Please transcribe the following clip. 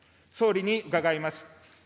総理に伺います。